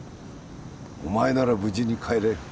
お前なら無事に帰れる。